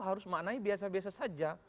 harus maknai biasa biasa saja